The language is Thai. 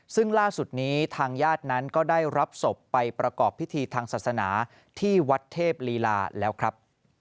ซึ่งล่าสุดนี้ทางญาตินั้นก็ได้รับศพไปประกอบพิธีทางศาสนาที่วัดเทพลีลาแล้วครับ